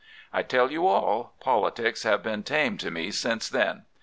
I tell you all, politics have been tame to me since then.